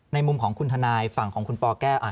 มุมของคุณทนายฝั่งของคุณปแก้ว